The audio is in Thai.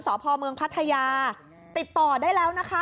สพเมืองพัทยาติดต่อได้แล้วนะคะ